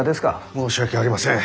申し訳ありません。